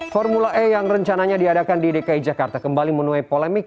formula e yang rencananya diadakan di dki jakarta kembali menuai polemik